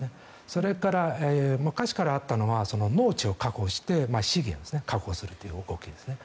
それから、昔からあったのは農地を確保して資源を確保するという動きですね